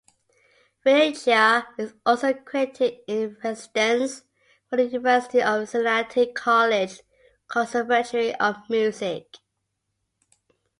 Filichia is also the critic-in-residence for the University of Cincinnati College-Conservatory of Music.